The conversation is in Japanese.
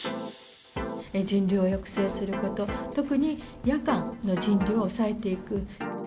人流を抑制すること、特に夜間の人流を抑えていく。